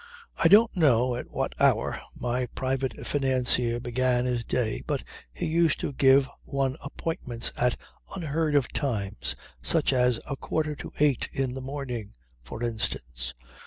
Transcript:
I don't know at what hour my private financier began his day, but he used to give one appointments at unheard of times: such as a quarter to eight in the morning, for instance.